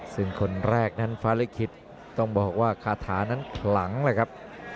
ซึ่งคนแรกนั้นฟ้าลิขิตต้องบอกว่าคาถานั้นขลังเลยครับ